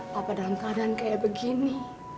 apa dalam keadaan kayak begini